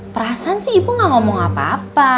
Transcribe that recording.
perasaan sih ibu gak ngomong apa apa